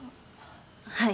はい。